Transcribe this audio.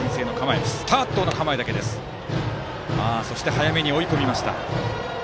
早めに追い込みました。